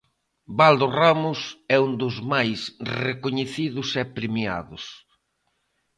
Baldo Ramos é un dos máis recoñecidos e premiados.